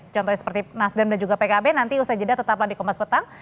contohnya seperti nasdem dan juga pkb nanti usai jeda tetaplah di komnas petang